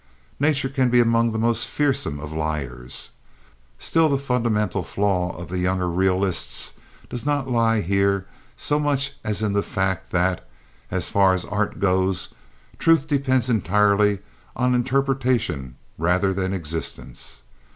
Nature can be among the most fearsome of liars. Still the fundamental flaw of the younger realists does not lie here so much as in the fact that, as far as art goes, truth depends entirely on interpretation rather than existence.